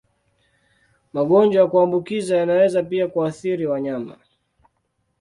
Magonjwa ya kuambukiza yanaweza pia kuathiri wanyama.